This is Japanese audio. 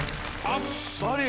あっさり？